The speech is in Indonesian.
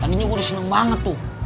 tadinya gue udah seneng banget tuh